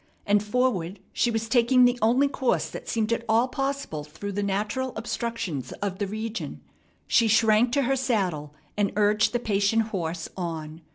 And forward she was taking the only course that seemed at all possible through the natural obstructions of the region. She shrank to her saddle, and urged the patient horse on.